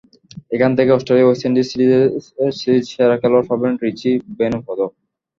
এখন থেকে Australia-West Indies সিরিজের সিরিজ সেরা খেলোয়াড় পাবেন রিচি বেনো পদক।